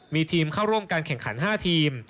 มีทีมเข้าร่วมการแข่งขัน๕ทีม